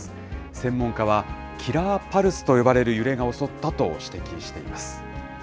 専門家は、キラーパルスといわれる揺れが襲ったと指摘しています。